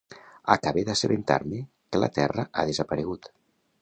Acabe d'assabentar-me que la terra ha desaparegut.